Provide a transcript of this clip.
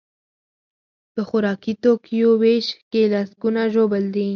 په خوراکي توکیو ویش کې لسکونه ژوبل دي.